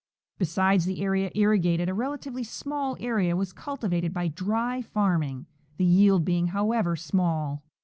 Besides the area irrigated a relatively small area was cultivated by "dry "farm ing, the yield being, however, small.